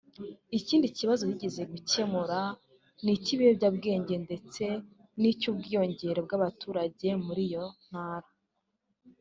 Ikindi kibazo yizeje gukemura ni icy’ibiyobyabwenge ndetse n’icy’ubwiyongere bw’abaturage muri iyo ntara